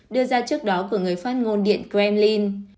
đưa ra trước đó của người phát ngôn điện kremlin